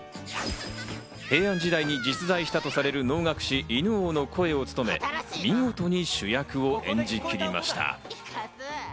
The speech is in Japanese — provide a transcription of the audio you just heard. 平安時代に実在したとされる能楽師・犬王の声を務め、見事に主役を演じきりました。